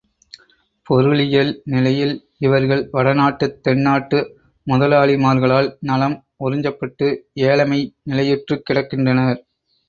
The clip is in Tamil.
பொருளியல் நிலையில் இவர்கள் வடநாட்டுத் தென்னாட்டு முதலாளிமார்களால் நலம் உறிஞ்சப்பட்டு ஏழைமை நிலையுற்றுக் கிடக்கின்றனர்.